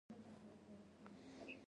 نن همدا شرم د فخر ځای نیسي.